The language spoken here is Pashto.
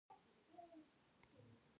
دوی په ټوله نړۍ کې پانګونه کوي.